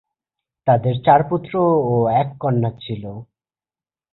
তাদের চার পুত্র ও এক কন্যা ছিল।